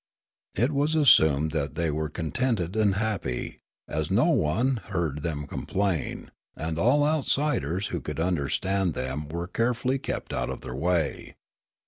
It was assumed that they were contented and happy, as no one heard them complain, and all outsiders who could understand them were carefully kept out of their way.